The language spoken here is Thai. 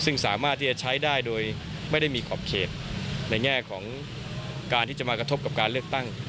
ในแง่ของการที่จะมากระทบกับการเลือกตั้ง